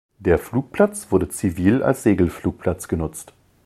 Der Flugplatz wurde zivil als Segelflugplatz genutzt.